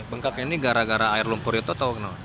bengkaknya ini gara gara air lumpur itu atau gimana